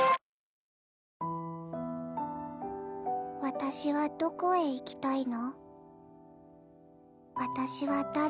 私はどこへ行きたいの？